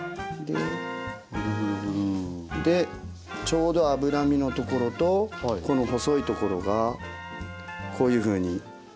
ちょうど脂身のところとこの細いところがこういうふうにまっすぐになるんです。